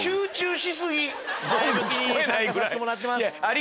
前向きに参加させてもらってます